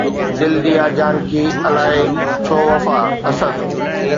دل ديا جانڪي الائي ڇو وفا، اسد